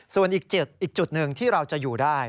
ส่วนอีกจุดหนึ่งที่เราจะอยู่ได้